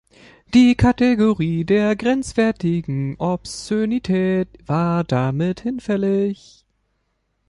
Die Kategorie der „grenzwertigen Obszönität“ war damit hinfällig.